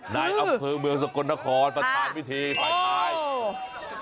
ในอำเภอเมืองสกลนครประธานวิธีฝ่ายชายโอ้